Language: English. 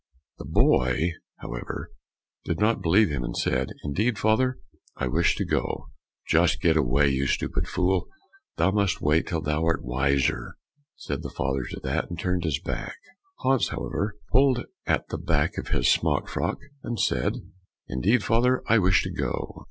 The boy, however, did not believe him, and said, "Indeed, father, I wish to go." "Just get away, thou stupid fellow, thou must wait till thou art wiser," said the father to that, and turned his back. Hans, however, pulled at the back of his smock frock and said, "Indeed, father, I wish to go."